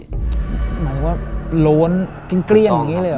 หมายถึงว่าโล้นเกลี้ยงอย่างนี้เลยเหรอ